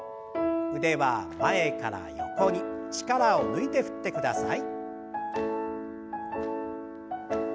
腕は前から横に力を抜いて振ってください。